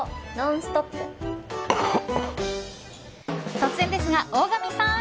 突然ですが、大神さん！